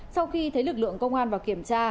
sau khi thấy lực lượng công an vào kiểm tra